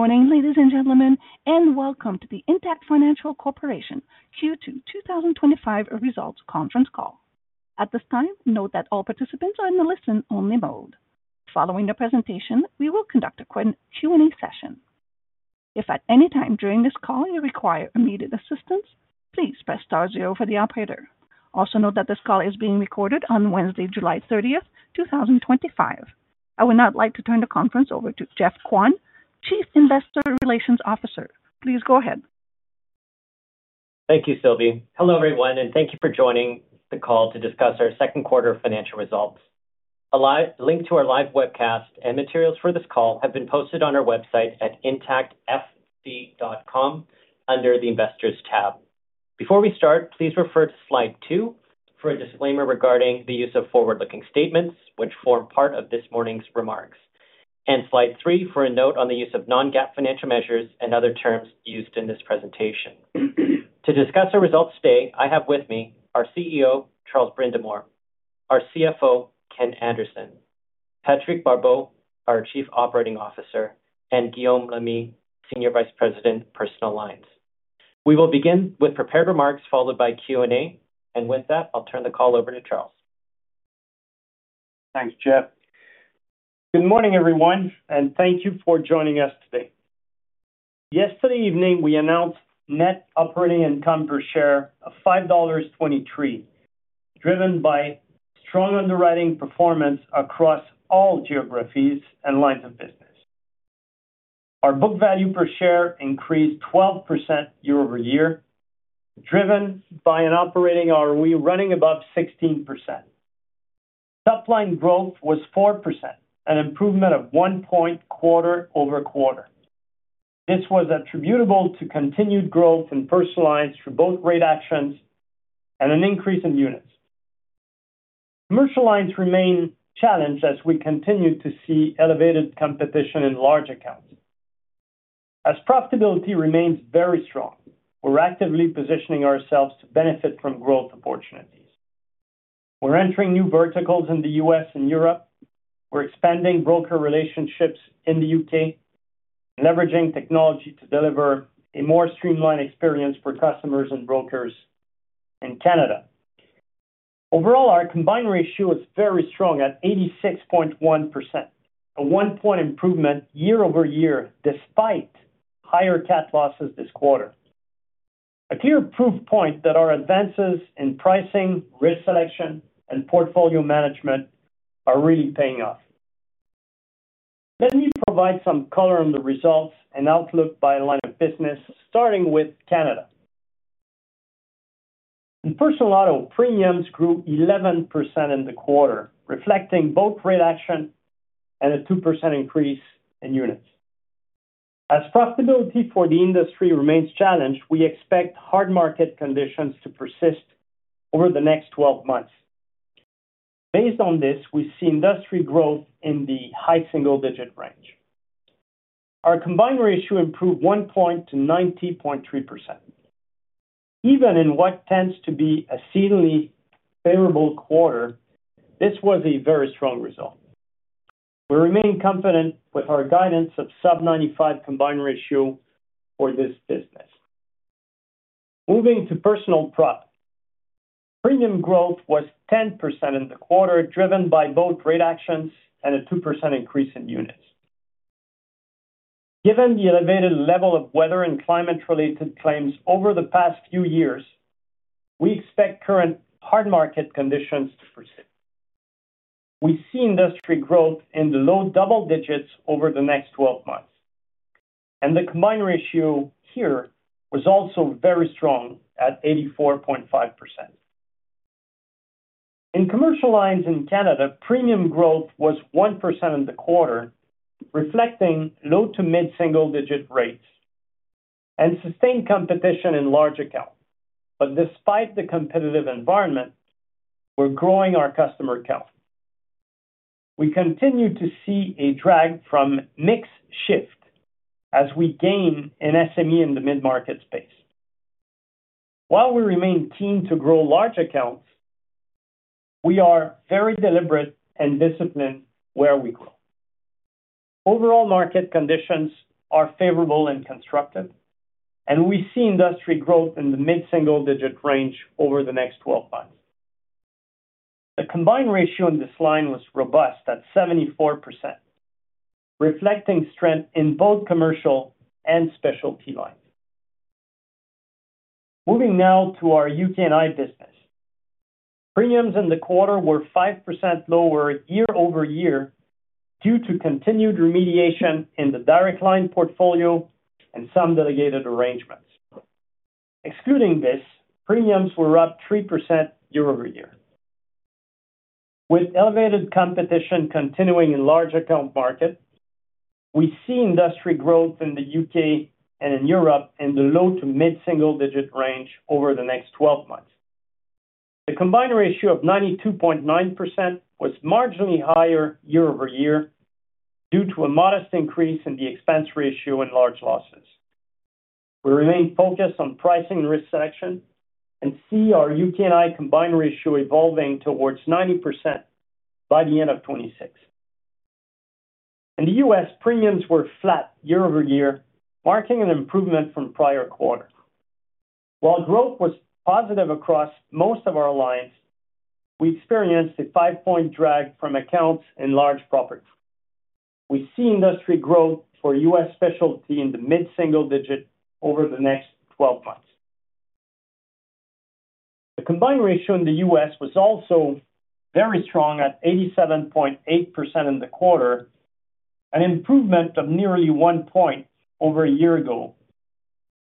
Good morning ladies and gentlemen and welcome to the Intact Financial Corporation Q2 2025 results conference call. At this time, note that all participants are in the listen only mode. Following the presentation, we will conduct a Q and A session. If at any time during this call you require immediate assistance, please press star zero for the operator. Also note that this call is being recorded on Wednesday, July 30, 2025. I would now like to turn the conference over to Jeff Kwon, Chief Investor Relations Officer. Please go ahead. Thank you Sylvie. Hello everyone and thank you for joining the call to discuss our second quarter financial results. Link to our live webcast and materials for this call have been posted on our website at intactfc.com under the Investors tab. Before we start, please refer to slide 2 for a disclaimer regarding the use of forward looking statements which form part of this morning's remarks, and slide 3 for a note on the use of non-GAAP financial measures and other terms used in this presentation. To discuss our results today I have with me our CEO Charles Brindamour, our CFO Ken Anderson, Patrick Barbeau, our Chief Operating Officer, and Guillaume Lamy, Senior Vice President, Personal Lines. We will begin with prepared remarks followed by Q and A, and with that I'll turn the call over to Charles. Thanks Jeff. Good morning everyone and thank you for joining us today. Yesterday evening we announced net operating income per share of 5.23 dollars driven by strong underwriting performance across all geographies and lines of business. Our book value per share increased 12% year over year driven by an operating ROE running above 16%. Top line growth was 4%, an improvement of 1 percentage point quarter over quarter. This was attributable to continued growth in personal lines through both rate actions and an increase in units. Commercial lines remain challenged as we continue to see elevated competition in large accounts. As profitability remains very strong, we're actively positioning ourselves to benefit from growth opportunities. We're entering new verticals in the U.S and Europe. We're expanding broker relationships in the U.K., leveraging technology to deliver a more streamlined experience for customers and brokers in Canada. Overall, our combined ratio is very strong at 86.1%, a 1 percentage point improvement year over year despite higher CAT losses this quarter. A clear proof point that our advances in pricing, risk selection, and portfolio management are really paying off. Let me provide some color on the results and outlook by line of business, starting with Canada. Personal auto premiums grew 11% in the quarter, a result reflecting both rate action and a 2% increase in units. As profitability for the industry remains challenged, we expect hard market conditions to persist over the next 12 months. Based on this, we see industry growth in the high single-digit range. Our combined ratio improved 1 point 90.3%. Even in what tends to be a seasonally favorable quarter, this was a very strong result. We remain confident with our guidance of sub-95 combined ratio for this business. Moving to personal property, premium growth was 10% in the quarter driven by both rate actions and a 2% increase in units. Given the elevated level of weather and climate-related claims over the past few years, we expect current hard market conditions to persist. We see industry growth in the low double digits over the next 12 months, and the combined ratio here was also very strong at 84.5%. In commercial lines in Canada, premium growth was 1% in the quarter, reflecting low to mid single-digit rates and sustained competition in large accounts. Despite the competitive environment, we're growing our customer account. We continue to see a drag from mix shift as we gain in SME in the mid-market space. While we remain keen to grow large accounts, we are very deliberate and disciplined where we grow. Overall market conditions are favorable and constructive and we see industry growth in the mid single-digit range over the next 12 months. The combined ratio in this line was robust at 74% reflecting strength in both commercial and specialty lines. Moving now to our U.K. and I business, premiums in the quarter were 5% lower year over year than due to continued remediation in the Direct Line portfolio and some delegated arrangements. Excluding this, premiums were up 3% year over year with elevated competition continuing in large account market. We see industry growth in the U.K. and in Europe in the low to mid single-digit range over the next 12 months. The combined ratio of 92.9% was marginally higher year over year due to a modest increase in the expense ratio and large losses. We remain focused on pricing and risk selection and see our U.K. and I combined ratio evolving towards 90% by the end of 2016. In the U.S. premiums were flat year over year marking an improvement from prior quarter. While growth was positive across most of our lines, we experienced a five point drag from accounts and large properties. We see industry growth for U.S. specialty in the mid single-digit over the next 12 months. The combined ratio in the U.S. was also very strong at 87.8% in the quarter, an improvement of nearly 1 point over a year ago.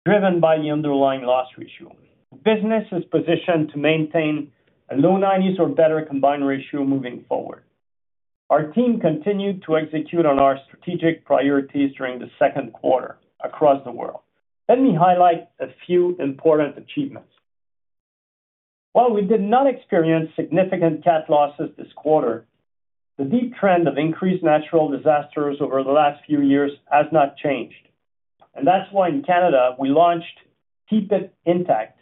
Driven by the underlying loss ratio. The business is positioned to maintain a low 90s or better combined ratio moving forward. Our team continued to execute on our strategic priorities during the second quarter across the world let me highlight a few important achievements. While we did not experience significant CAT losses this quarter, the deep trend of increased natural disasters over the last few years has not changed. That is why in Canada we launched Keep It Intact,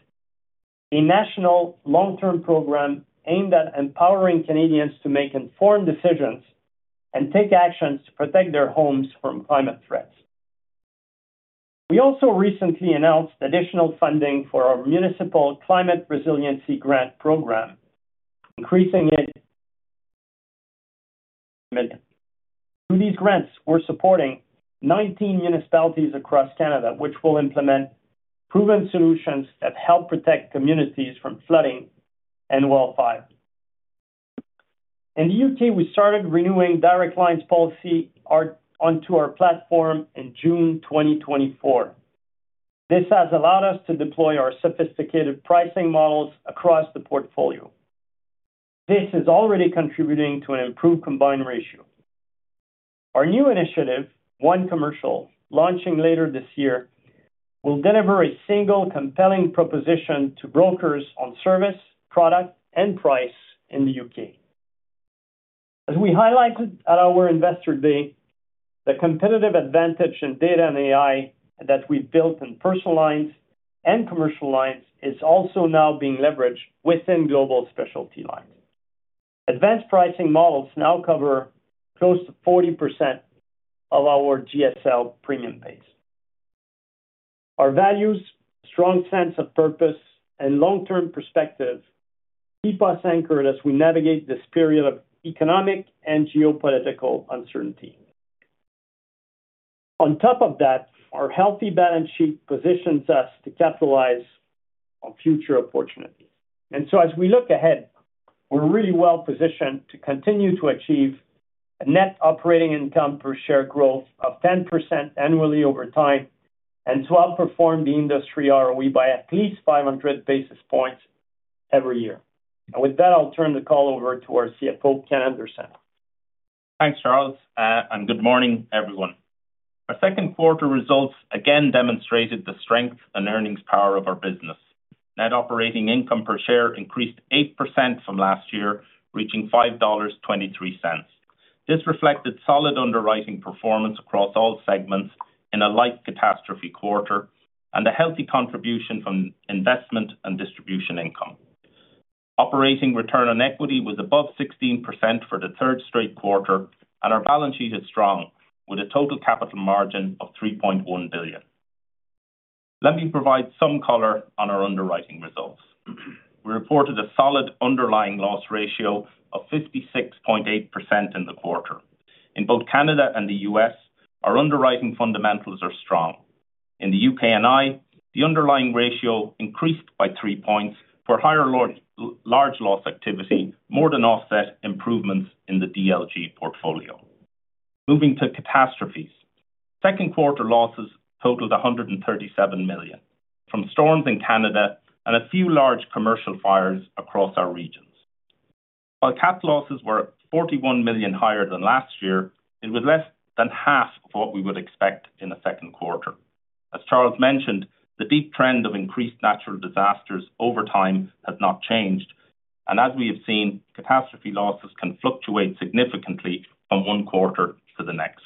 a national long-term program aimed at empowering Canadians to make informed decisions and take actions to protect their homes from climate threats. We also recently announced additional funding for our Municipal Climate Resiliency Grant Program, increasing it. Through these grants we're supporting 19 municipalities across Canada which will implement proven solutions that help protect communities from flooding and wildfire. In the U.K. we started renewing Direct Line's policy onto our platform in June 2024. This has allowed us to deploy our sophisticated pricing models across the portfolio. This is already contributing to an improved combined ratio. Our new Initiative 1 commercial, launching later this year, will deliver a single compelling proposition to brokers on service, product and price in the U.K. As we highlighted at our Investor Day, the competitive advantage in data and AI that we built in personal lines and commercial lines is also now being leveraged within global specialty lines. Advanced pricing models now cover close to 40% of our GSL premium base. Our values, strong sense of purpose and long term perspective keep us anchored as we navigate this period of economic and geopolitical uncertainty. On top of that, our healthy balance sheet positions us to capitalize on future opportunities. As we look ahead, we're really well positioned to continue to achieve net operating income per share growth of 10% annually over time and to outperform the industry ROE by at least 500 basis points every year. With that, I'll turn the call over to our CFO Ken Anderson. Thanks Charles and good morning everyone. Our second quarter results again demonstrated the strength and earnings power of our business. Net operating income per share increased 8% from last year, reaching 5.23 dollars. This reflected solid underwriting performance across all segments in a light catastrophe quarter and a healthy contribution from investment and distribution income. Operating return on equity was above 16% for the third straight quarter and our balance sheet is strong with a total capital margin of 3.1 billion. Let me provide some color on our underwriting results. We reported a solid underlying loss ratio of 56.8% in the quarter. In both Canada and the U.S. our underwriting fundamentals are strong. In the U.K. and I, the underlying ratio increased by 3 percentage points for higher large loss activity more than offset improvements in the DLG portfolio. Moving to catastrophes. Second quarter losses totaled 137 million from storms in Canada and a few large commercial fires across our regions. While cat losses were 41 million higher than last year, it was less than half of what we would expect in the second quarter. As Charles mentioned, the deep trend of increased natural disasters over time has not changed and as we have seen, catastrophe losses can fluctuate significantly from one quarter. The next.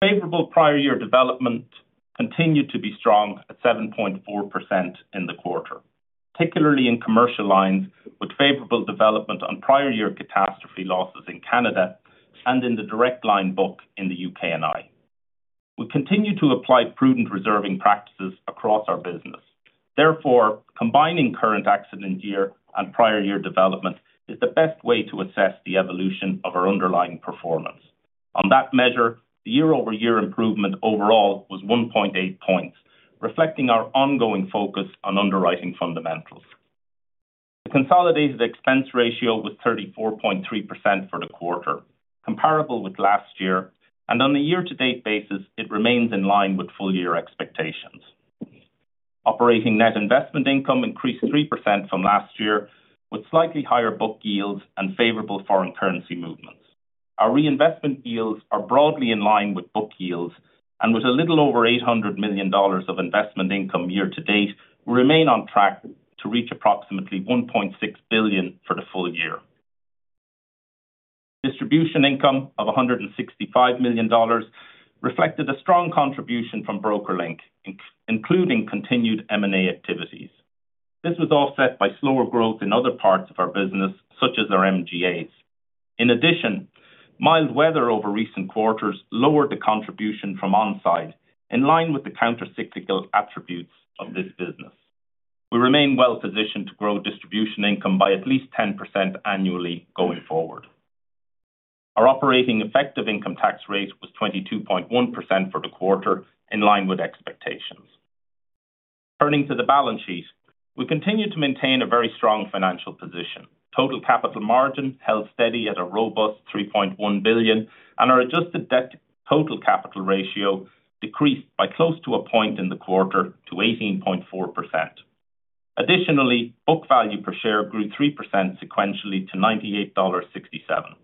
Favorable prior year development continued to be strong at 7.4% in the quarter, particularly in commercial lines. With favorable development on prior year catastrophe losses in Canada and in the Direct Line book in the U.K. and I, we continue to apply prudent reserving practices across our business. Therefore, combining current accident year and prior year development is the best way to assess the evolution of our underlying performance on that measure. The year over year improvement overall was 1.8 percentage points, reflecting our ongoing focus on underwriting fundamentals. The consolidated expense ratio was 34.3% for the quarter, comparable with last year and on a year to date basis it remains in line with full year expectations. Operating net investment income increased 3% from last year with slightly higher book yields and favorable foreign currency movements. Our reinvestment yields are broadly in line with book yields and with a little over 800 million dollars of investment income year to date, we remain on track to reach approximately 1.6 billion for the full year. Distribution income of 165 million dollars reflected a strong contribution from BrokerLink, including continued M&A activities. This was offset by slower growth in other parts of our business such as our MGAs. In addition, mild weather over recent quarters lowered the contribution from On Side. In line with the countercyclical attributes of this business, we remain well positioned to grow distribution income by at least 10% annually going forward. Our operating effective income tax rate was 22.1% for the quarter, in line with expectations. Turning to the balance sheet, we continue to maintain a very strong financial position. Total capital margin held steady at a robust 3.1 billion and our adjusted debt to total capital ratio decreased by close to a point in the quarter to 18.4%. Additionally, book value per share grew 3% sequentially to 98.67 dollars. Our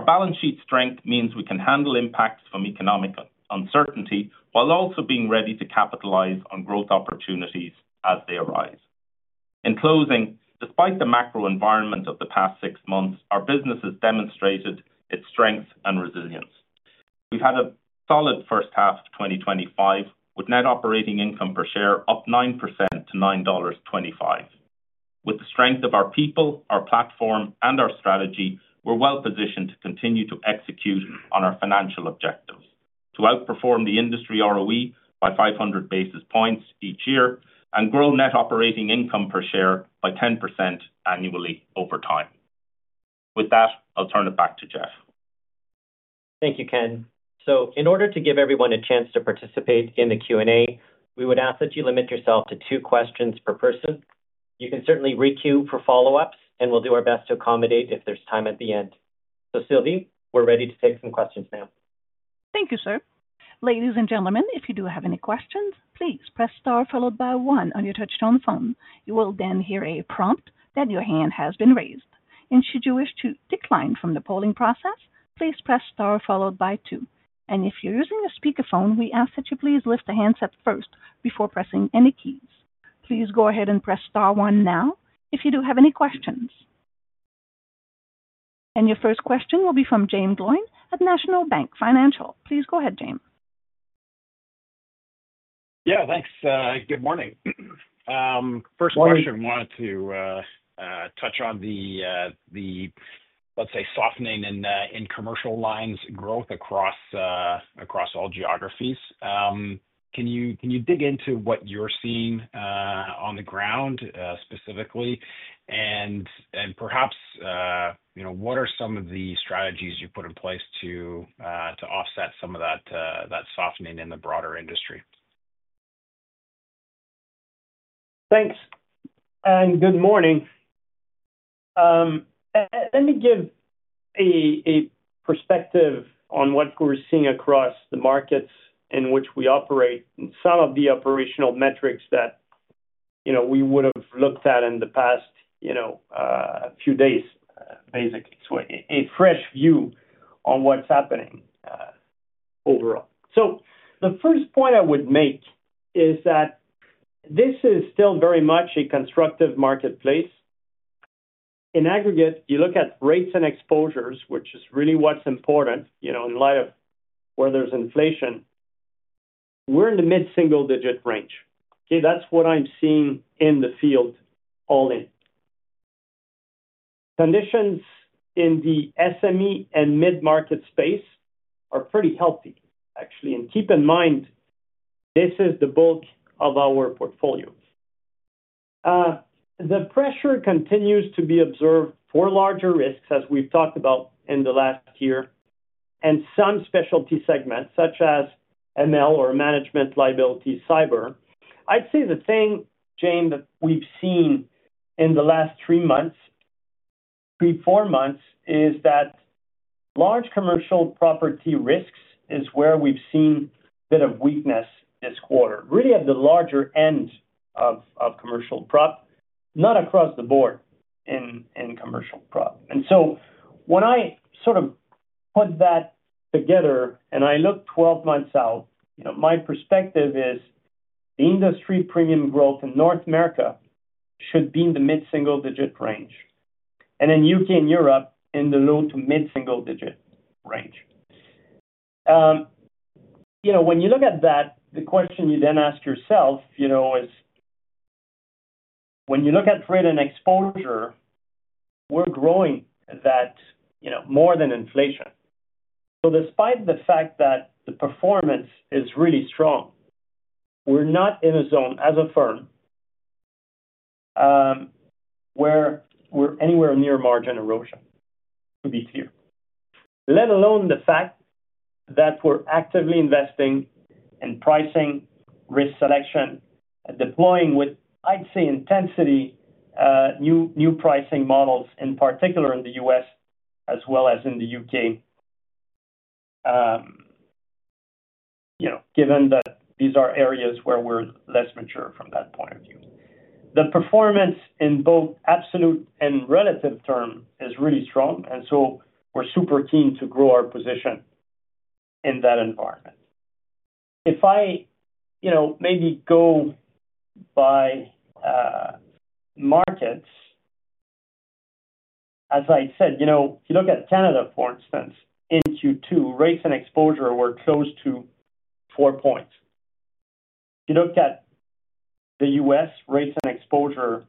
balance sheet strength means we can handle impacts from economic uncertainty while also being ready to capitalize on growth opportunities as they arise. In closing, despite the macro environment of the past six months, our business has demonstrated its strength and resilience. We had a solid first half of 2025 with net operating income per share up 9% to 9.25 dollars. With the strength of our people, our platform and our strategy, we're well positioned to continue to execute on our financial objectives to outperform the industry ROE by 500 basis points each year and grow net operating income by 10% annually over time. With that, I'll turn it back to Jeff. Thank you, Ken. In order to give everyone a chance to participate in the Q and A, we would ask that you limit yourself to two questions per person. You can certainly requeue for follow-ups and we'll do our best to accommodate if there's time at the end. Sylvie, we're ready to take some questions now. Thank you, sir. Ladies and gentlemen, if you do have any questions, please press star followed by one on your touchtone phone. You will then hear a prompt that your hand has been raised. Should you wish to decline from the polling process, please press star followed by two. If you're using a speakerphone, we ask that you please lift the handset first before pressing any keys. Please go ahead and press star one now. If you do have any questions, your first question will be from James at National Bank Financial. Please go ahead, James. Yeah, thanks. Good morning. First question, wanted to touch on the, let's say, softening in commercial lines, growth across all geographies. Can you dig into what you're seeing on the ground specifically and perhaps what are some of the strategies you put in place to offset some of that softening in the broader industry? Thanks and good morning. Let me give a perspective on what we're seeing across the markets in which we operate. Some of the operational metrics that we would have looked at in the past few days, basically. So a fresh view on what's happening. The first point I would make is that this is still very much a constructive marketplace in aggregate. You look at rates and exposures, which is really what's important, you know, in light of where there's inflation. We're in the mid single digit range. Okay. That's what I'm seeing in the field. All in, conditions in the SME and mid market space are pretty healthy actually. Keep in mind, this is the bulk of our portfolio. The pressure continues to be observed for larger risks as we've talked about in the last year. Some specialty segments such as ML or Management Liability Cyber, I'd say the same James that we've seen in the last three months, three, four months is that large commercial property risks is where we've seen a bit of weakness this quarter, really at the larger end of commercial prop, not across the board in commercial prop. When I sort of put that together and I look 12 months out, my perspective is the industry premium growth in North America should be in the mid single digit range and in the U.K. and Europe in the low to mid single digit range. When you look at that, the question you then ask yourself is when you look at trade and exposure, we're growing that more than inflation. Despite the fact that the performance is really strong. We're not in a zone as a firm where we're anywhere near margin erosion, to be clear, let alone the fact that we're actively investing in pricing, risk selection, deploying with, I'd say, intensity, new pricing models in particular in the U.S. as well as in the U.K. You know, given that these are areas where we're less mature from that point of view, the performance in both absolute and relative term is really strong. We're super keen to grow our position in that environment. If I, you know, maybe go by markets, as I said, if you look at Canada, for instance, in Q2, rates and exposure were close to 4 points. If you look at the U.S., rates and exposure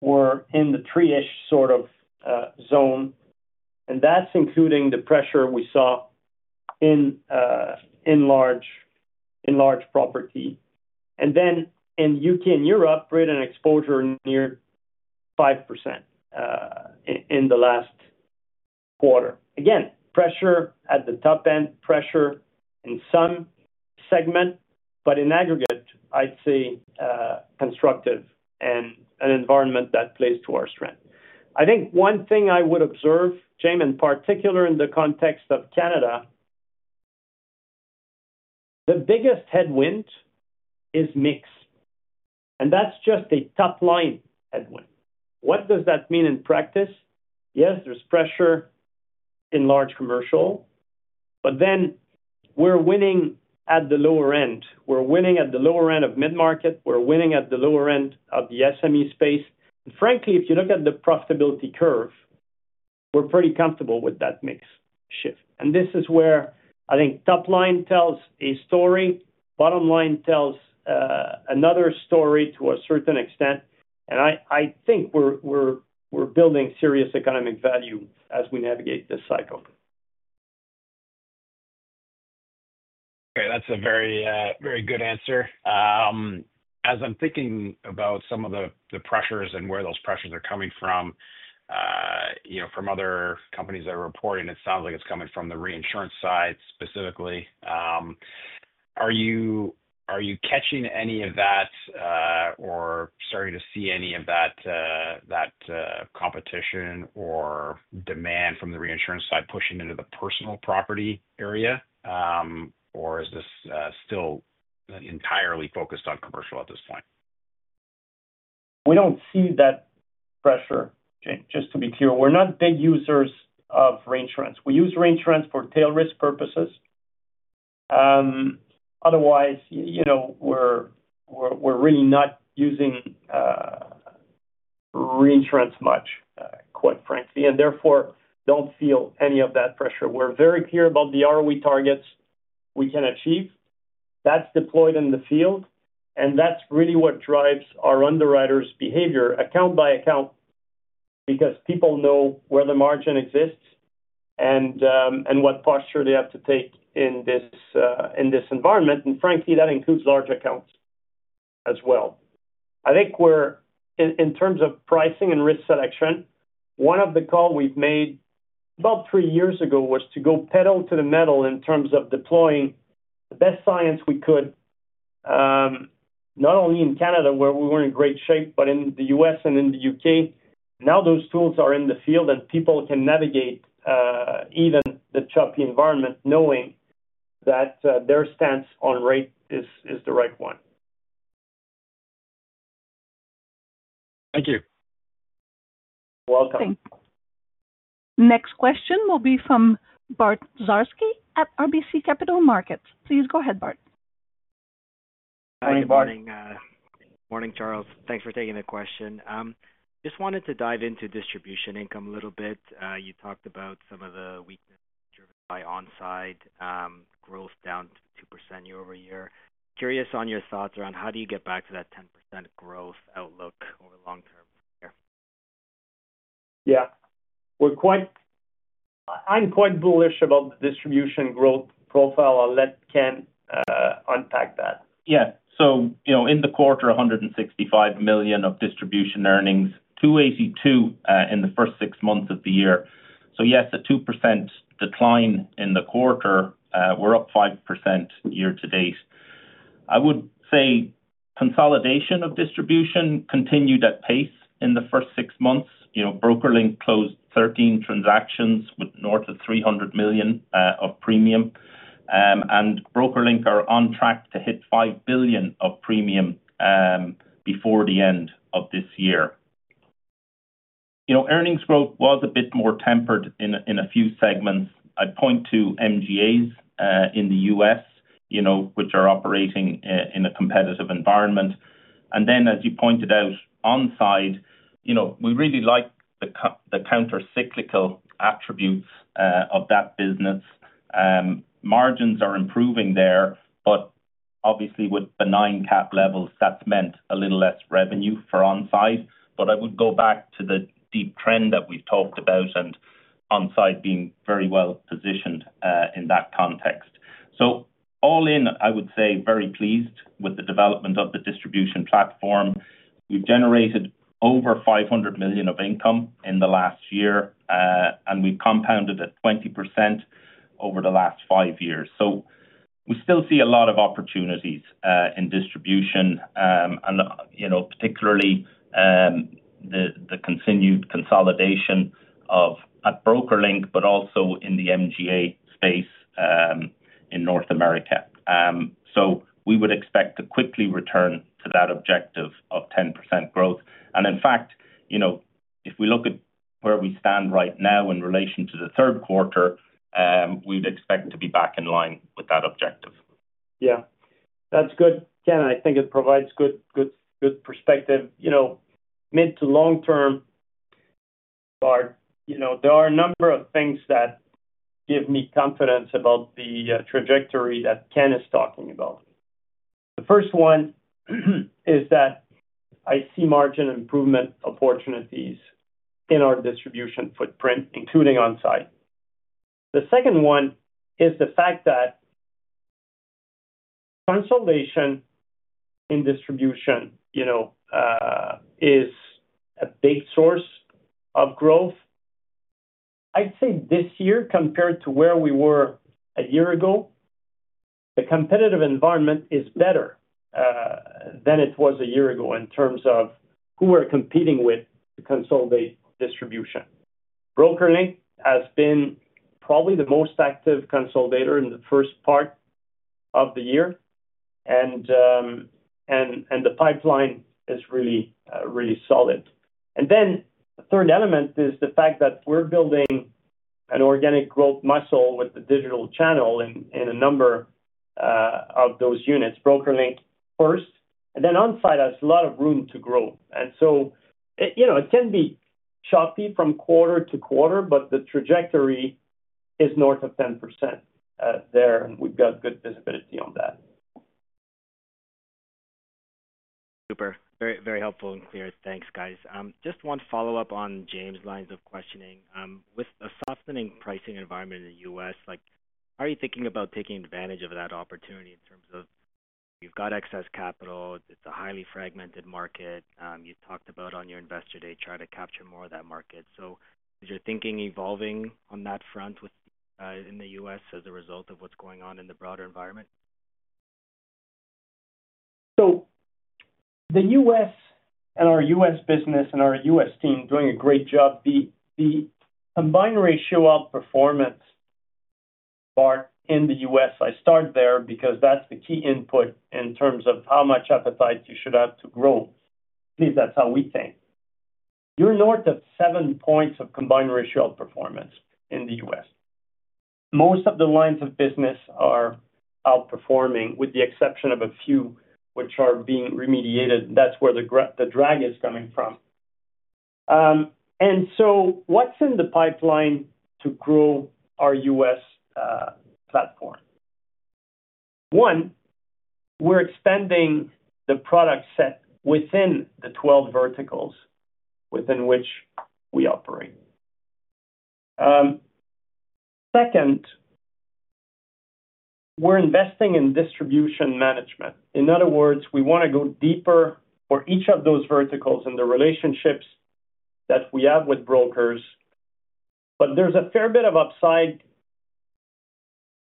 were in the 3-ish sort of zone. And that's including the pressure we saw in large property. Then U.K. and Europe rate and exposure near 5% in the last quarter. Again, pressure at the top end, pressure in some segment, but in aggregate, I'd say constructive and an environment that plays to our strength, I think. One thing I would observe, James, in particular in the context of Canada, the biggest headwind is mix. And that's just a top line headwind. What does that mean in practice? Yes, there's pressure in large commercial, but then we're winning at the lower end, we're winning at the lower end of mid market, we're winning at the lower end of the SME space. And frankly, if you look at the profitability curve, we're pretty comfortable with that mix shift. This is where I think top line tells a story, bottom line tells another story to a certain extent. I think we're building serious economic value as we navigate this cycle. That's a very, very good answer. As I'm thinking about some of the pressures and where those pressures are coming from, you know, from other companies that are reporting, it sounds like it's coming from the reinsurance side specifically. Are you catching any of that or starting to see any of that competition or demand from the reinsurance side pushing into the personal property area? Or is this still entirely focused on commercial at this point? We don't see that pressure. Just to be clear, we're not big users of reinsurance. We use reinsurance for tail risk purposes. Otherwise, you know, we're really not using reinsurance much, quite frankly, and therefore don't feel any of that pressure. We're very clear about the ROE targets we can achieve that's deployed in the field and that's really what drives our underwriters' behavior account by account because people know where the margin exists and what posture they have to take in this environment. Frankly, that includes large accounts as well. I think we're in terms of pricing and risk selection. One of the calls we've made about three years ago was to go pedal to the metal in terms of deploying the best science we could, not only in Canada where we were in great shape, but in the U.S. and in the U.K. Now those tools are in the field and people can navigate even the choppy environment knowing that their stance on rate is the right one. Thank you. Welcome. Next question will be from Bart Dziarski at RBC Capital Markets. Please go ahead Bart. Morning Charles. Thanks for taking the question. Just wanted to dive into distribution income a little bit. You talked about some of the weakness driven by On Side growth down 2% year over year. Curious on your thoughts around how do you get back to that 10% growth outlook over long term? Yeah, I'm quite bullish about the distribution growth profile. I'll let Ken Anderson unpack that. Yeah. You know, in the quarter 165 million of distribution earnings, 282 million in the first six months of the year. Yes, a 2% decline in the quarter. We're up 5% year to date. I would say consolidation of distribution continued at pace in the first six months. You know, BrokerLink closed 13 transactions with north of 300 million of premium and BrokerLink are on track to hit 5 billion of premium before the end of this year. You know, earnings growth was a bit more tempered in a few segments. I point to MGAs in the U.S., you know, which are operating in a competitive environment. Then as you pointed out, On Side, you know, we really like the countercyclical attributes of that business. Margins are improving there, but obviously with benign cap levels, that's meant a little less revenue for On Side. I would go back to the deep trend that we've talked about and On Side being very well positioned in that context. All in, I would say very pleased with the development of the distribution platform. We've generated over 500 million of income in the last year and we've compounded at 20% over the last five years. We still see a lot of opportunities in distribution and, you know, particularly the continued consolidation at BrokerLink but also in the MGA space in North America. We would expect to quickly return to that objective of 10% growth. In fact, you know, if we look at where we stand right now in relation to the third quarter, we would expect to be back in line with that objective. Yeah, that's good, Ken. I think it provides good, good perspective, you know, mid to long term. Bart, you know, there are a number of things that give me confidence about the trajectory that Ken is talking about. The first one is that I see margin improvement opportunities in our distribution footprint, including On Side. The second one is the fact that consolidation in distribution is a big source of growth. I'd say this year compared to where we were a year ago, the competitive environment is better than it was a year ago in terms of who we're competing with to consolidate distribution. BrokerLink has been probably the most active consolidator in the first part of the year and the pipeline is really solid. The third element is the fact that we're building an organic growth muscle with the digital channel in a number of those units. BrokerLink first and then on side has a lot of room to grow and so, you know, it can be choppy from quarter to quarter, but the trajectory is north of 10% there and we've got good visibility on that. Super, very helpful and clear. Thanks guys. Just one follow up on James' lines of questioning. With a softening pricing environment in the U.S., like are you thinking about taking advantage of that opportunity in terms of you've got excess capital, it's a highly fragmented market, you talked about on your investor day trying to capture more of that market. Is your thinking evolving on that front in the U.S. as a result of what's going on in the broader environment? The U.S. and our U.S. business and our U.S. team are doing a great job. The combined ratio outperformance part in the U.S., I start there because that's the key input in terms of how much appetite you should have to grow. At least that's how we think. You're north of 7 points of combined ratio outperformance in the U.S. Most of the lines of business are outperforming with the exception of a few which are being remediated. That's where the drag is coming from. What's in the pipeline to grow our U.S. platform? One, we're expanding the product set within the 12 verticals within which we operate. Second, we're investing in distribution management. In other words, we want to go deeper for each of those verticals and the relationships that we have with brokers. There's a fair bit of upside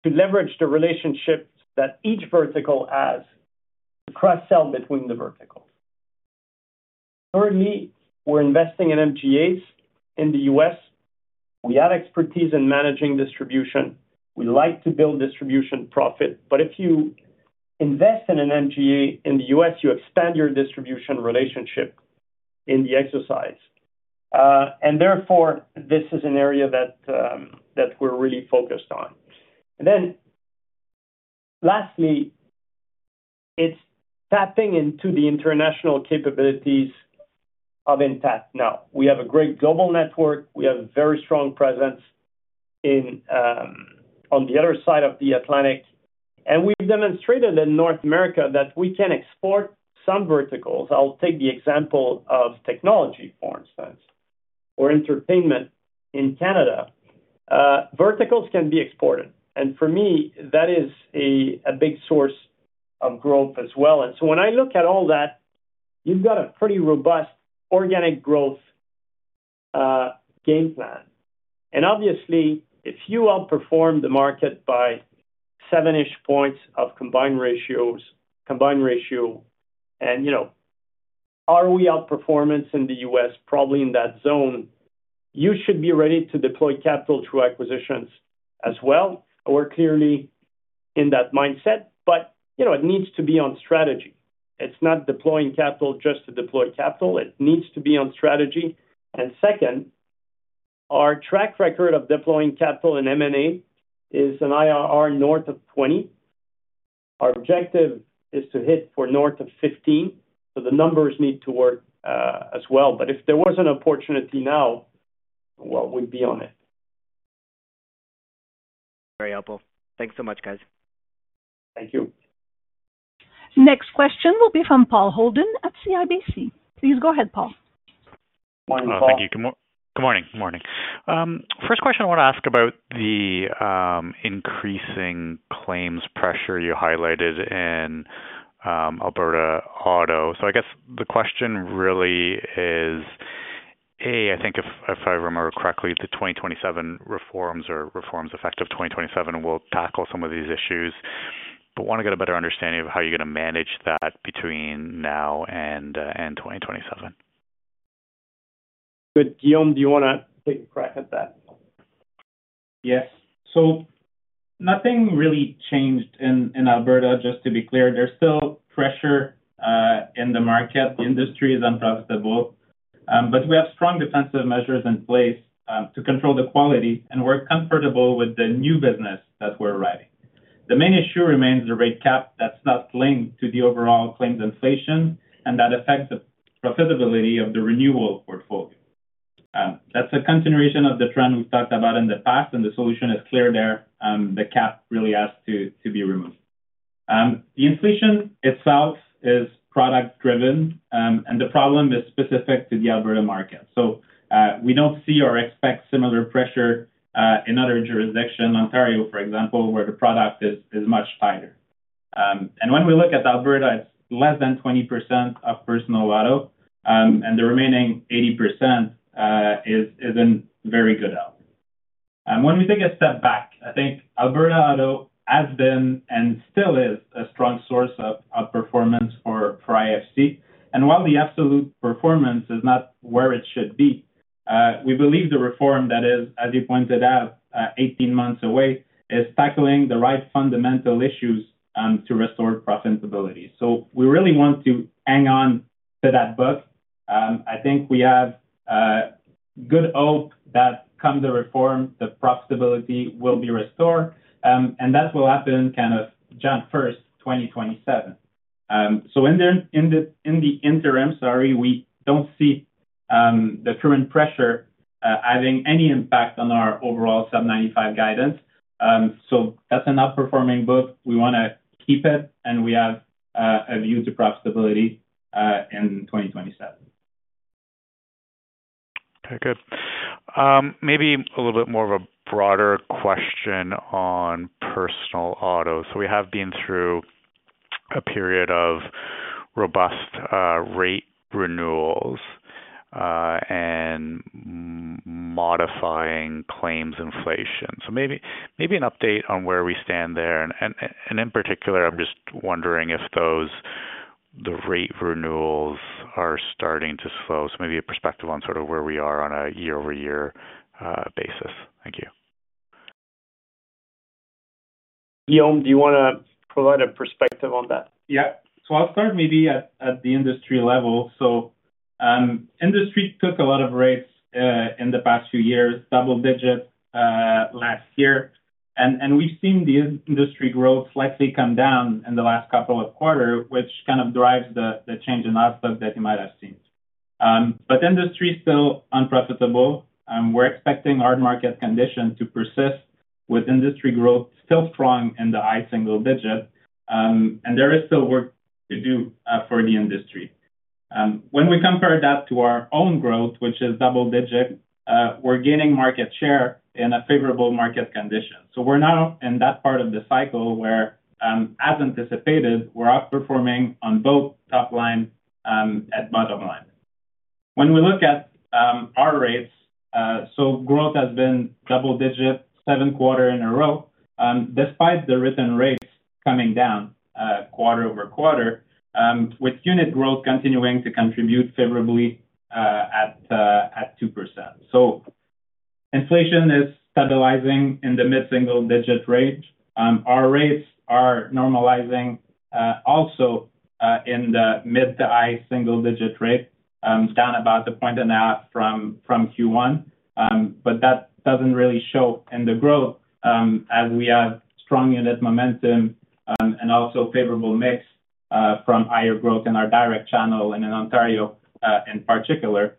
to leverage the relationship that each vertical has to cross sell between the verticals. Thirdly, we're investing in MGA in the U.S. We have expertise in managing distribution. We like to build distribution profit. If you invest in an MGA in the U.S., you expand your distribution relationship in the exercise. Therefore, this is an area that we're really focused on. Lastly, it's tapping into the international capabilities of Intact. Now we have a great global network. We have very strong presence on the other side of the Atlantic. We've demonstrated in North America that we can export some verticals. I'll take the example of technology, for instance, or entertainment. In Canada, verticals can be exported. For me, that is a big source of growth as well. When I look at all that, you've got a pretty robust organic growth game plan. Obviously, if you outperform the market by 7-ish points of combined ratio. Combined ratio. You know, ROE outperformance in the U.S. probably in that zone, you should be ready to deploy capital through acquisitions as well. We're clearly in that mindset. You know, it needs to be on strategy. It's not deploying capital just to deploy capital. It needs to be on strategy. Second, our track record of deploying capital in M and A is an IRR north of 20. Our objective is to hit for north of 15. The numbers need to work as well. If there was an opportunity now, we'd be on it. Very helpful. Thanks so much, guys. Thank you. Next question will be from Paul Holden at CIBC. Please go ahead, Paul. Thank you. Good morning. First question, I want to ask about the increasing claims pressure you highlighted in Alberta Auto. I guess the question really is, I think if I remember correctly, the 2027 reforms or reforms effective 2027 will tackle some of these issues, but want to get a better understanding of how you're going to manage that between now and 2027. Guil, do you want to take a crack at that? Yes. Nothing really changed in Alberta. Just to be clear, there's still pressure in the market. The industry is unprofitable, but we have strong defensive measures in place to control the quality. We're comfortable with the new business that we're writing. The main issue remains the rate cap. That's not linked to the overall claims inflation and that affects the profitability of the renewal portfolio. That's a continuation of the trend we've talked about in the past. The solution is clear there. The cap really has to be removed. The inflation itself is product driven and the problem is specific to the Alberta market. We don't see or expect similar pressure in other jurisdictions, Ontario for example, where the product is much tighter. When we look at Alberta, it's less than 20% of personal auto and the remaining 80% isn't very good out. When we take a step back, I think Alberta Auto has been and still is a strong source of outperformance for IFC. While the absolute performance is not where it should be, we believe the reform that is, as you pointed out, 18 months away, is tackling the right fundamental issues to restore profitability. We really want to hang on to that book. I think we have good hope that come the reform, the profitability will be restored and that will happen January 1, 2027. In the interim, sorry, we don't see the current pressure having any impact on our overall sub 95% guidance. That's an outperforming book. We want to keep it and we have a view to profitability in 2027. Okay, good. Maybe a little bit more of a broader question on personal auto. We have been through a period of robust rate renewals and modifying claims inflation. Maybe an update on where we stand there. In particular, I am just wondering if the rate renewals are starting to slow. Maybe a perspective on where we are on a year over year basis. Thank you. Guil, do you want to provide a perspective on that? Yeah. I'll start maybe at the industry level. The industry took a lot of rates in the past few years, double digit last year. We've seen the industry growth likely come down in the last couple of quarters, which kind of drives the change in outlook that you might have seen. The industry is still unprofitable. We're expecting hard market condition to persist with industry growth still strong in the high single digit. There is still work to do for the industry. When we compare that to our own growth, which is double digit, we're gaining market share in a favorable market condition. We're now in that part of the cycle where, as anticipated, we're outperforming on both top line and bottom line when we look at our rates. Growth has been double digit seven quarters in a row despite the written rates coming down quarter over quarter, with unit growth continuing to contribute favorably at 2%. Inflation is stabilizing in the mid single digit range. Our rates are normalizing also in the mid to high single digit rate, down about a point and a half from Q1. That doesn't really show in the growth as we have strong unit momentum and also favorable mix from higher growth in our direct channel and in Ontario in particular.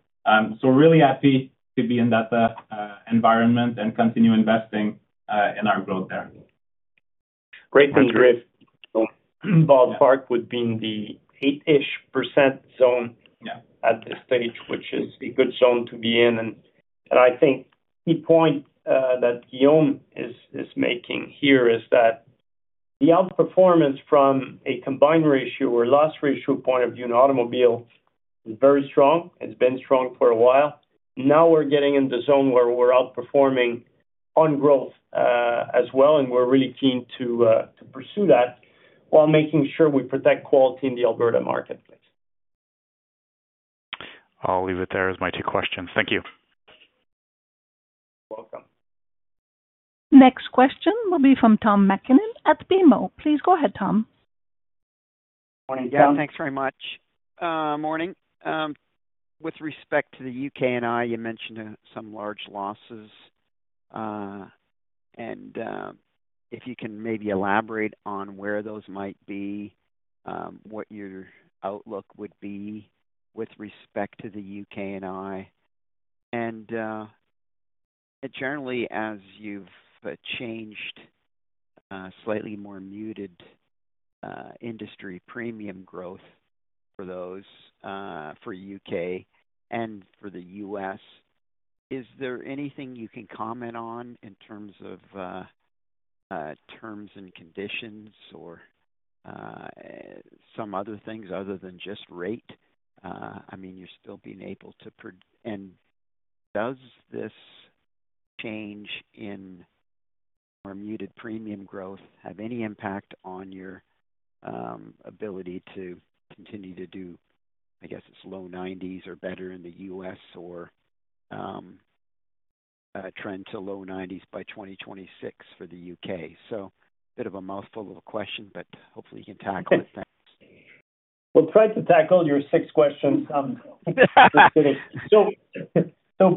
Really happy to be in that environment and continue investing in our growth there. Great, thank you. Ballpark would be the 8% zone. At this stage, which is good. Zone to be in. I think the point that Guillaume is making here is that the outperformance from a combined ratio or loss ratio point of view in automobile is very strong. It's been strong for a while now. We're getting in the zone where we're outperforming on growth as well and we're really keen to pursue that while making sure we protect quality in the Alberta marketplace. Please. I'll leave it there as my two questions. Thank you. Welcome. Next question will be from Tom MacKinnon at BMO. Please go ahead. Tom, Good morning. Thanks very much. Morning. With respect to the U.K. and I, you mentioned some large losses, and if you can maybe elaborate on where those might be, what your outlook would be with respect to the U.K. and I, and generally as you've changed, slightly more muted industry premium growth for those for U.K. and for the U.S. Is there anything you can comment on in terms of terms and conditions or some other things other than just rate? I mean, you're still being able to. And does this change in muted premium growth have any impact on your ability to continue to do. I guess it's low 90s or better in the U.S. or trend to low 90s by 2026 for the U.K. So bit of a mouthful little question, but hopefully you can tackle it. Thanks. We'll try to tackle your six questions.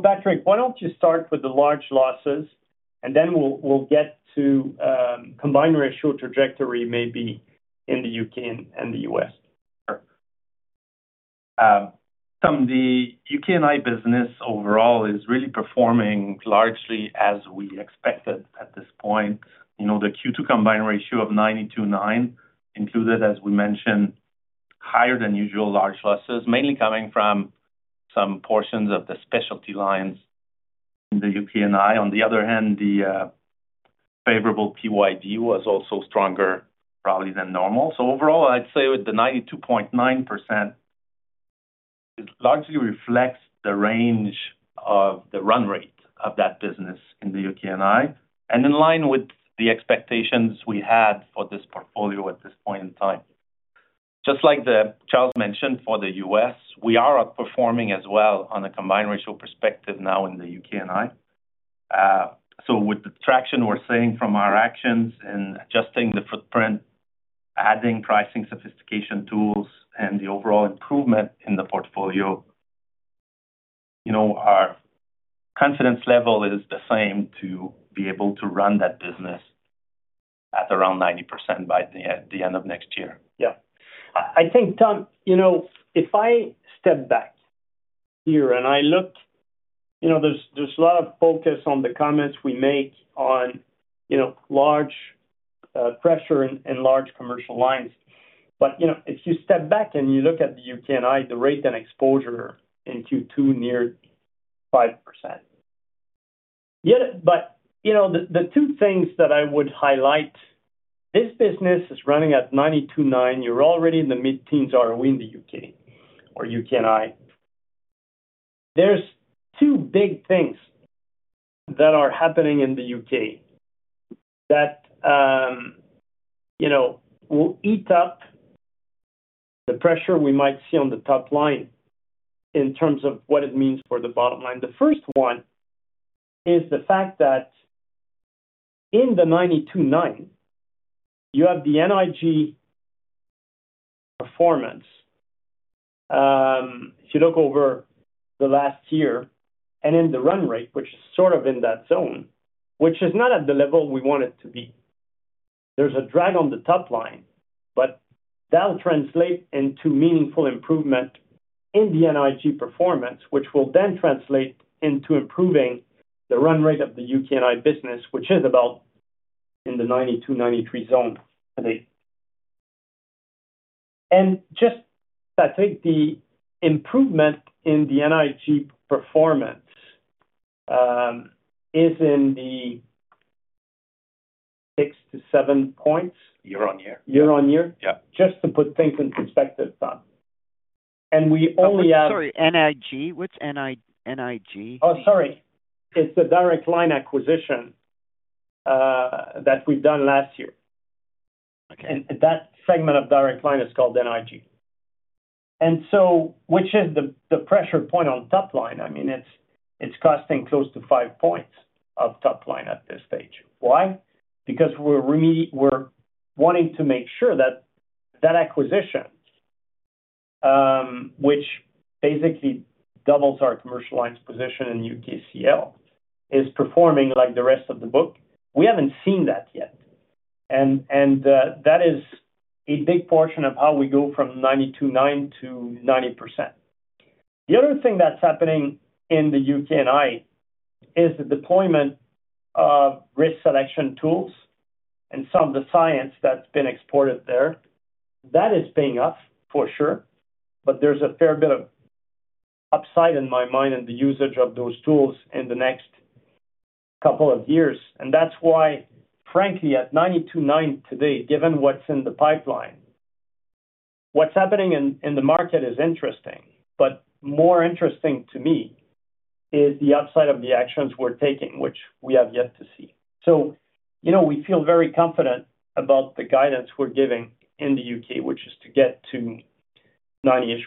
Patrick, why don't you start with the large losses and then we'll get to combined ratio trajectory maybe in the U.K. and the U.S. The U.K. and I business overall is really performing largely as we expected at this point. You know, the Q2 combined ratio of 92.9% included, as we mentioned, higher than usual large losses mainly coming from some portions of the specialty lines. In the U.K. and I, on the other hand, the favorable PYD was also stronger probably than normal. So overall I'd say with the 92.9% largely reflects the range of the run rate of that business in the U.K. and I and in line with the expectations we had for this portfolio at this point in time. Just like Charles mentioned for the US, we are outperforming as well on a combined ratio perspective now in the U.K. and I. With the traction we're seeing from our actions in adjusting the footprint, adding pricing sophistication tools, and the overall improvement in the portfolio, you know, our confidence level is the same to be able to run that business at around 90% by the end of next year. Yeah, I think, Tom, you know, if I step back here and I look, you know, there's a lot of focus on the comments we make on, you know, large pressure and large commercial lines. You know, if you step back and you look at the U.K. and I, the rate and exposure in Q2, near 5% yet. You know, the two things that I would highlight, this business is running at 92.9. You're already in the mid teens ROE in the UK or U.K. and I. There are two big things that are happening in the UK that will eat up the pressure we might see on the top line in terms of what it means for the bottom line. The first one is the fact that in the 92.9, you have the NIG performance. If you look over the last year and in the run rate, which is sort of in that zone, which is not at the level we want it to be, there's a drag on the top line. That will translate into meaningful improvement in the NIG performance, which will then translate into improving the run rate of the U.K. and I business, which is about in the 92-93 zone, I think. I think the improvement in the NIG performance is in the six to seven points year on year. Year on year. Yeah. Just to put things in perspective, and we only have. Sorry, NIG. What's N.I.? NIG. Oh, sorry. It's the Direct Line acquisition that we've done last year and that segment of Direct Line is called NIG. And so which is the pressure point on top line. I mean, it's costing close to five percentage points of top line at this stage. Why? Because we're wanting to make sure that that acquisition, which basically doubles our commercial lines position in U.K. class, is performing like the rest of the book. We haven't seen that yet and that is a big portion of how we go from 92.9% to 90%. The other thing that's happening in the U.K. and I is the deployment of risk selection tools and some of the science that's been exported there that is paying us for sure. But there's a fair bit of upside in my mind in the usage of those tools in the next couple of years and that's why frankly, at 92.9% today, given what's in the pipeline, what's happening in the market is interesting. More interesting to me is the upside of the actions we're taking, which we have yet to see. So, you know, we feel very confident about the guidance we're giving in the U.K. which is to get to 90%-ish.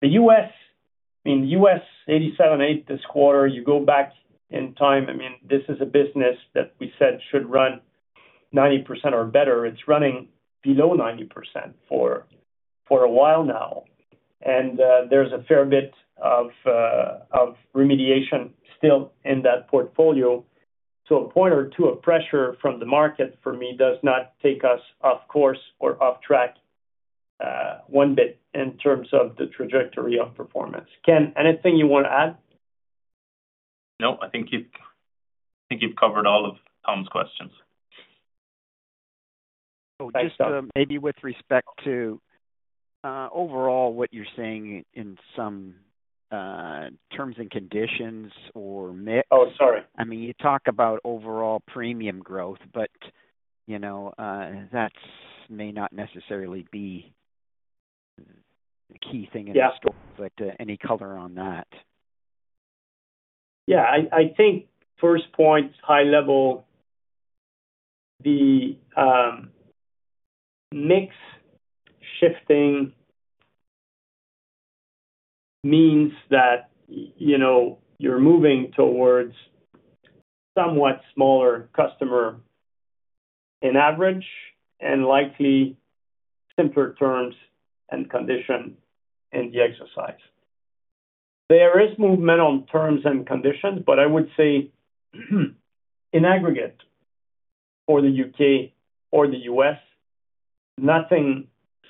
The U.S., in the U.S. 87.8% this quarter. You go back in time. I mean this is a business that we said should run 90% or better. It's running below 90% for a while now. And there's a fair bit of remediation still in that portfolio to a point or two of pressure from the market for me does not take us off course or off track one bit in terms of the trajectory of performance. Ken, anything you want to add? No, I think you've covered all of Tom's questions. Maybe with respect to overall what you're saying in some terms and conditions or mix. Oh, sorry. I mean, you talk about overall premium growth, but you know, that may not necessarily be the key thing in. Any color on that? Yeah, I think first point, high level, the mix shifting means that, you know, you're moving towards somewhat smaller customer in average and likely simpler terms and condition in the exercise. There is movement on terms and conditions, but I would say in aggregate for the U.K. or the U.S. nothing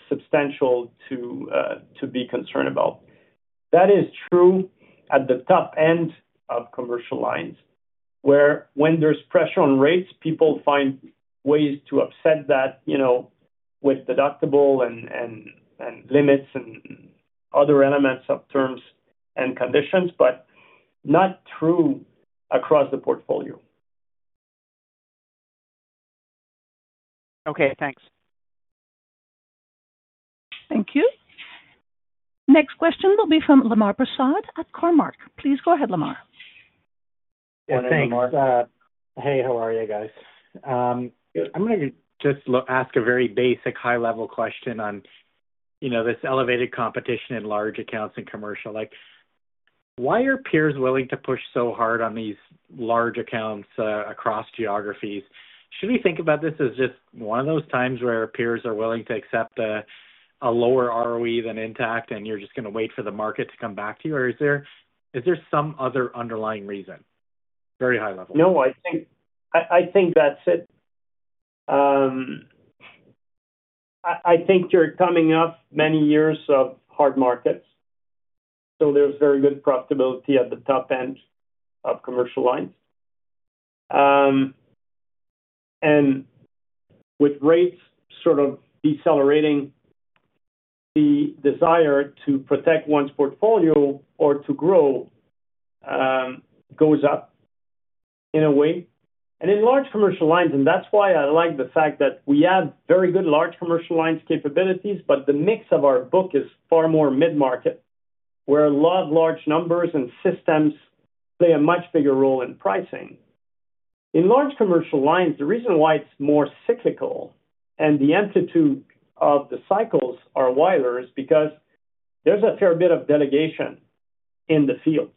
substantial to be concerned about. That is true at the top end of commercial lines where when there's pressure on rates, people find ways to offset that with deductible and limits and other elements of terms and conditions, but not true across the portfolio. Okay, thanks. Thank you. Next question will be from Lemar Persaud at Cormark. Please. Go ahead Lemar. Thanks. Hey, how are you guys? I'm going to just ask a very basic high level question on, you know, this elevated competition in large accounts and commercial. Like, why are peers willing to push so hard on these large accounts across geographies? Should we think about this as just one of those times where peers are willing to accept a lower ROE than Intact and you're just going to wait for the market to come back to you, or is there some other underlying reason? Very high level? No, I think that's it. I think you're coming up many years of hard markets. So there's very good profitability at the top end of commercial lines. And with rates sort of decelerating, the desire to protect one's portfolio or to grow goes up in a way and in large commercial lines. That's why I like the fact that we have very good large commercial lines capabilities. But the mix of our book is far more mid market, where a lot of large numbers and systems play a much bigger role in pricing in large commercial lines. The reason why it's more cyclical and the amplitude of the cycles are wider is because there's a fair bit of delegation in the field.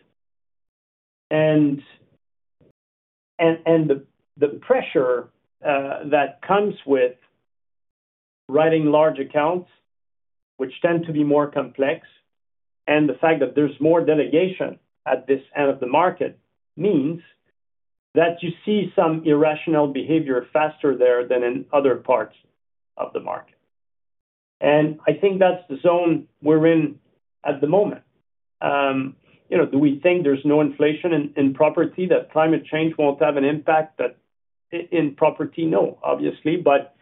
The pressure that comes with writing large accounts, which tend to be more complex, and the fact that there's more delegation at this end of the market means that you see some irrational behavior faster there than in other parts of the market. I think that's the zone we're in at the moment. Do we think there's no inflation in property? That climate change won't have an impact in property? No, obviously, but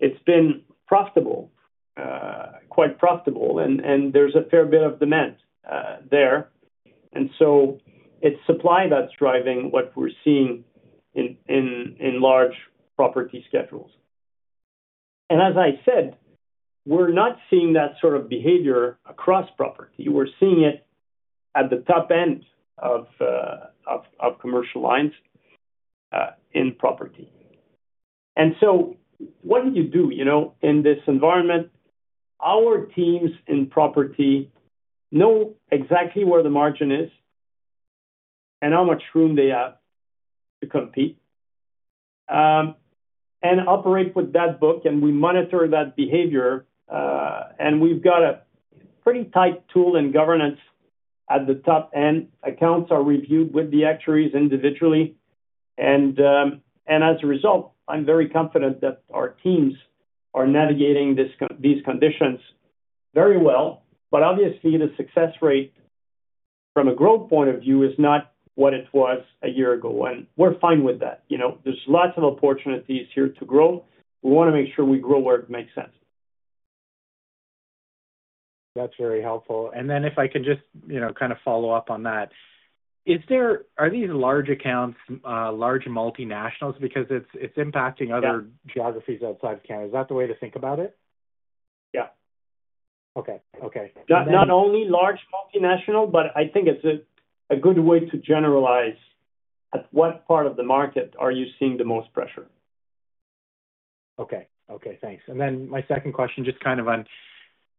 it's been profitable, quite profitable. There's a fair bit of demand there. It's supply that's driving what we're seeing in large property schedules. As I said, we're not seeing that sort of behavior across property. We're seeing it at the top end of commercial lines in property. What do you do in this environment? Our teams in property know exactly where the margin is and how much room they have to compete and operate with that book. We monitor that behavior. We've got a pretty tight tool and governance at the top end. Accounts are reviewed with the actuaries individually. As a result, I'm very confident that our teams are navigating these conditions very well. Obviously the success rate from a growth point of view is not what it was a year ago. We're fine with that. There's lots of opportunities here to grow. We want to make sure we grow where it makes sense. That's very helpful. If I can just, you know, kind of follow up on that, is there, are these large accounts, large multinationals, because it's impacting other geographies outside of Canada? Is that the way to think about it? Yeah. Okay. Okay. Not only large multinational, but I think it's a good way to generalize. At what part of the market are you seeing the most pressure? Okay. Okay, thanks. Then my second question, just kind of on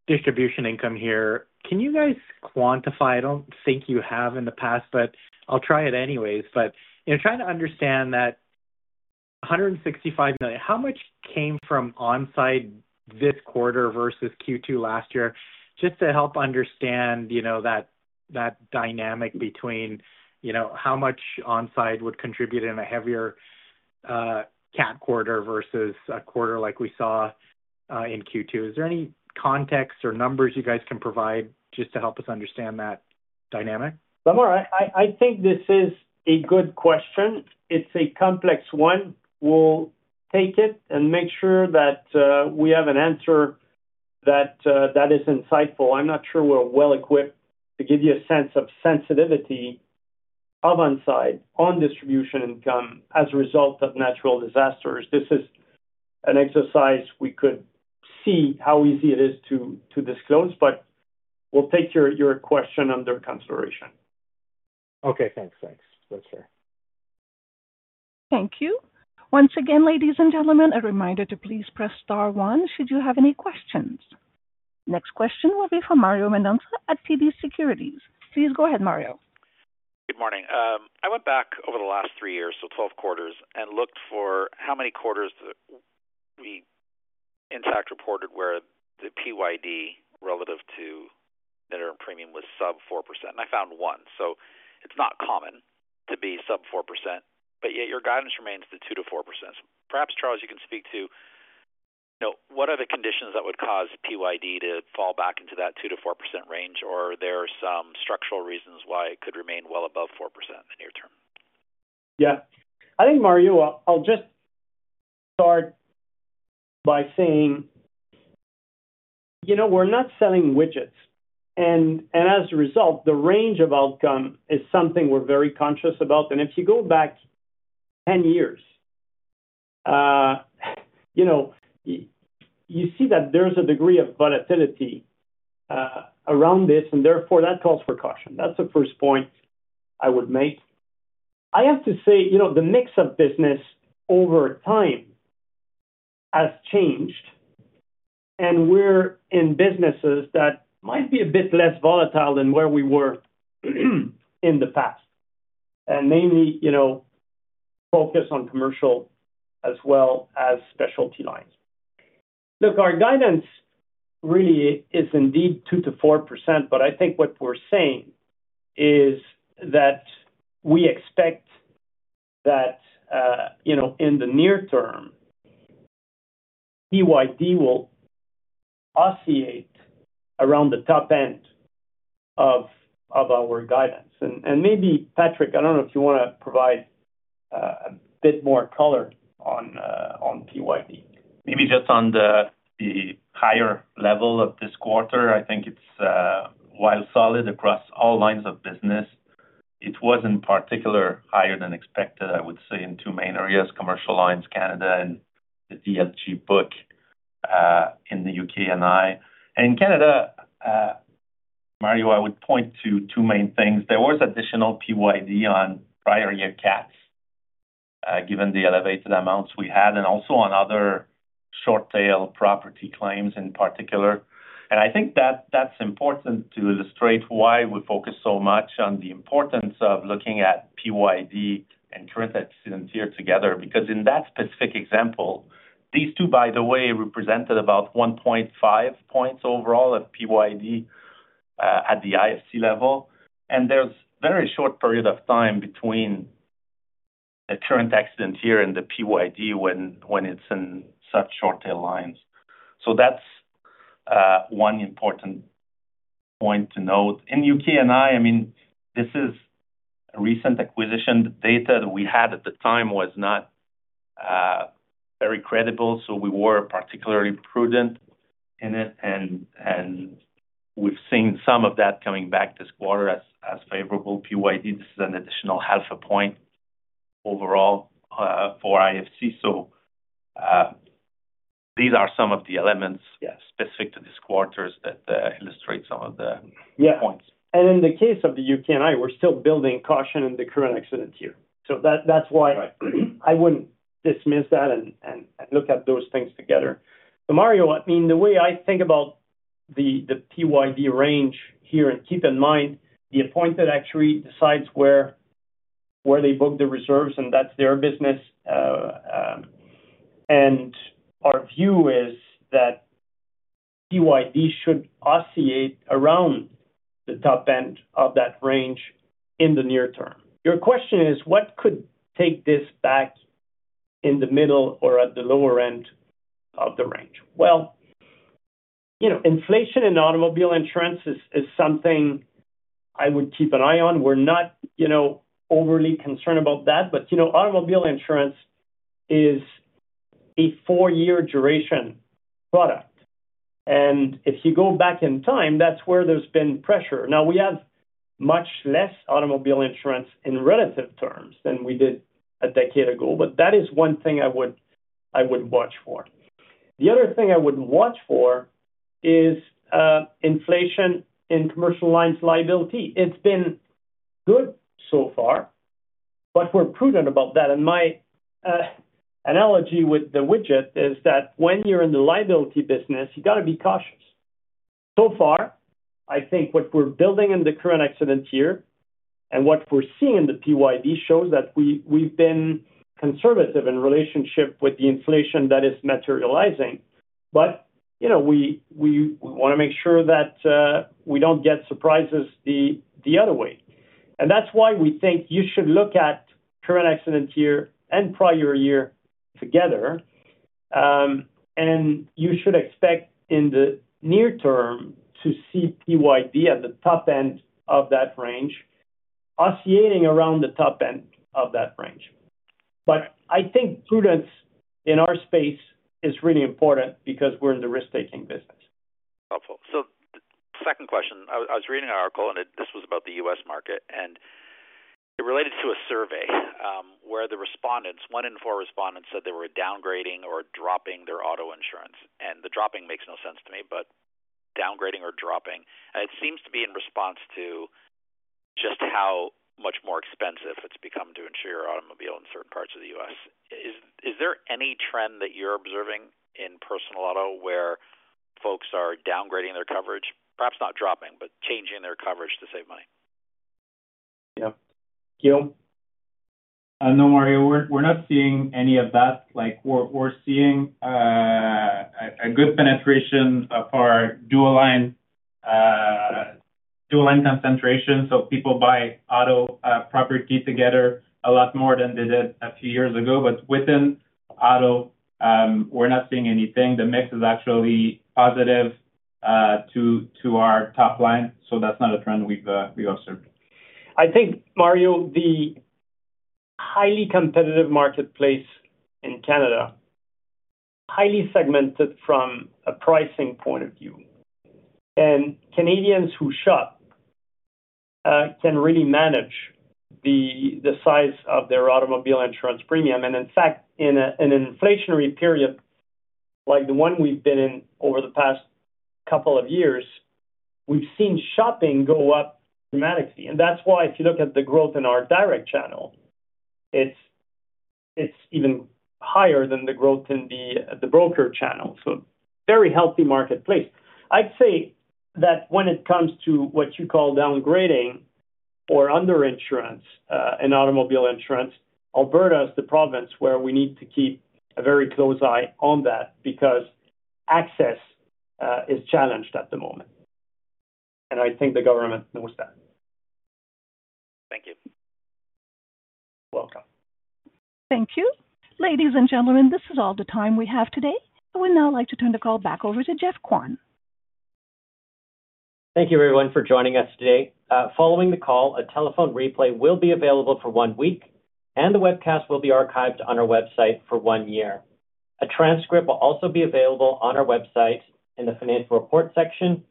distribution income here, can you guys quantify? I do not think you have in the past, but I will try it anyways. You know, trying to understand that 165 million, how much came from On Side this quarter versus Q2 last year just to help understand, you know, that dynamic between, you know, how much On Side would contribute in a heavier cat quarter versus a quarter like we saw in Q2. Is there any context or numbers you guys can provide just to help us understand that dynamic? Lemar, I think this is a good question. It's a complex one. We'll take it and make sure that we have an answer that is insightful. I'm not sure we're well equipped to give you a sense of sensitivity on distribution income as a result of natural disasters. This is an exercise. We could see how easy it is to disclose, but we'll take your question under consideration. Okay, thanks. Thanks. Thank you. Once again, ladies and gentlemen, a reminder to please press star one should you have any questions. Next question will be for Mario Mendonca at TD Securities. Please go ahead. Mario, good morning. I went back over the last three years, so 12 quarters, and looked for how many quarters we, Intact, reported where the PYD relative to net earned premium was sub 4%, and I found one. It is not common to be sub 4%, but yet your guidance remains the 2-4%. Perhaps, Charles, you can speak to what are the conditions that would cause PYD to fall back into that 2-4% range? Or are there some structural reasons why it could remain well above 4% in the near term? Yeah, I think, Mario, I'll just start by saying we're not selling widgets and as a result the range of outcome is something we're very conscious about. If you go back 10 years, you see that there's a degree of volatility around this and therefore that calls for caution. That's the first point I would make, I have to say. You know, the mix of business over time has changed and we're in businesses that might be a bit less volatile than where we were in the past and mainly, you know, focus on commercial as well as specialty lines. Look, our guidance really is indeed 2-4%. I think what we're saying is that we expect that in the near term PYD will oscillate around the top end of our guidance. Maybe, Patrick, I don't know if you want to provide a bit more color on PYD, maybe just on the. Higher level of this quarter. I think it's, while solid across all lines of business, it was in particular higher than expected. I would say in two main areas, commercial lines, Canada and the DLG book in the U.K. and I. And in Canada. Mario, I would point to two main things. There was additional PYD on prior year cats, given the elevated amounts we had, and also on other short tail property claims in particular, and I think that that's important to illustrate why we focus so on the importance of looking at PYD and current accident year together. Because in that specific example, these two, by the way, represented about 1.5 percentage points overall of PYD at the IFC level. And there's very short period of time between the current accident year and the PYD when it's in such short tail lines. That is one important point to note. In U.K. and I, I mean, this is a recent acquisition. The data that we had at the time was not very credible, so we were particularly prudent in it. And we've seen some of that coming back this quarter as favorable PYD. This is an additional half a percentage point overall for IFC. These are some of the elements specific to these quarters that illustrate some of the points. In the case of the U.K. and I, we're still building caution in the current accident year. That is why I would not dismiss that and look at those things together. Mario, the way I think about the PYD range here, and keep in mind the appointed actually decides where they book the reserves and that is their business. Our view is that PYD should oscillate around the top end of that range in the near term. Your question is what could take this back in the middle or at the lower end of the range? Inflation in automobile insurance is something I would keep an eye on. We're not overly concerned about that. Automobile insurance is a four year duration product and if you go back in time, that is where there has been pressure. Now we have much less automobile insurance in relative terms than we did a decade ago. That is one thing I would watch for. The other thing I would watch for is inflation in commercial lines. Liability. It has been good so far, but we're prudent about that. My analogy with the widget is that when you're in the liability business you have to be cautious. So far I think what we're building in the current accident year and what we're seeing in the PYD shows that we've been conservative in relationship with the inflation that is materializing. We want to make sure that we do not get surprises the other way. That is why we think you should look at current accident year and prior year together and you should expect in the near term to see PYD at the top end of that range oscillating around the top end of that range. I think prudence in our space is really important because we're in the risk taking business. Helpful. Second question. I was reading an article and this was about the US market and it related to a survey where the respondents, one in four respondents, said they were downgrading or dropping their auto insurance. The dropping makes no sense to me. Downgrading or dropping, it seems to be in response to just how much more expensive it has become to insure your automobile in certain parts of the US. Is there any trend that you're observing in personal auto where folks are downgrading their coverage, perhaps not dropping, but changing their coverage to save money? Yeah, Guil. No Mario, we're not seeing any of that. Like we're seeing a good penetration of our dual line, dual line concentration. So people buy auto property together a lot more than they did a few years ago. But within auto we're not seeing anything. The mix is actually positive to our top line. So that's not a trend we've observed. I think, Mario, the highly competitive marketplace in Canada, highly segmented from a pricing point of view and Canadians who shop can really manage the size of their automobile insurance premium. In fact, in an inflationary period like the one we have been in over the past couple of years, we have seen shopping go up dramatically. That is why if you look at the growth in our direct channel, it is even higher than the growth in the broker channel. Very healthy marketplace. I would say that when it comes to what you call downgrading or underinsurance in automobile insurance, Alberta is the province where we need to keep a very close eye on that because access is challenged at the moment and I think the government knows that. Thank you. Welcome. Thank you ladies and gentlemen. This is all the time we have today. I would now like to turn the call back over to Jeff Kwan. Thank you everyone for joining us today. Following the call, a telephone replay will be available for one week and the webcast will be archived on our website for one year. A transcript will also be available on our website in the financial report section.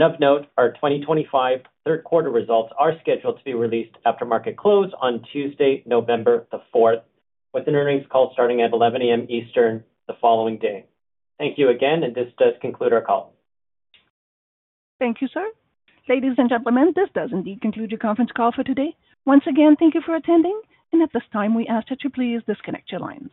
Of note, our 2025 third quarter results are scheduled to be released after market close on Tuesday, November 4 with an earnings call starting at 11:00 A.M. Eastern the following day. Thank you again and this does conclude our call. Thank you, sir. Ladies and gentlemen, this does indeed conclude your conference call for today. Once again, thank you for attending and at this time we ask that you please disconnect your lines.